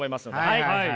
はい。